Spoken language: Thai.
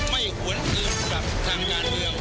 ไม่หวนเกินกลับทางด้านเดียว